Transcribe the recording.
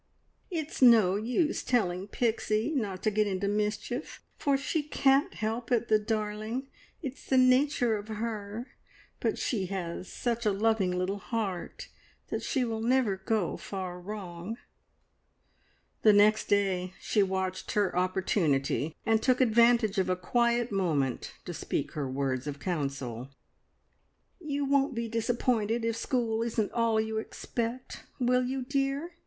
"It's no use telling Pixie not to get into mischief, for she can't help it, the darling! It's the nature of her, but she has such a loving little heart that she will never go far wrong." The next day she watched her opportunity, and took advantage of a quiet moment to speak her words of counsel. "You won't be disappointed if school isn't all you expect, will you, dear?"